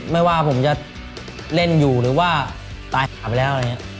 ไม่ว่าผมจะเล่นอยู่หรือว่าตายขาไปแล้วอะไรอย่างนี้